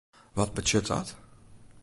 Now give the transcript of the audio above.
Wat betsjut dat?